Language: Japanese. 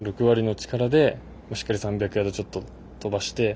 ６割の力でしっかり３００ヤードちょっと飛ばして。